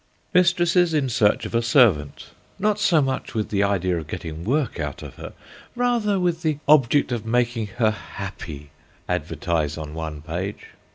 Mistresses in search of a servant, not so much with the idea of getting work out of her, rather with the object of making her happy, advertise on one page.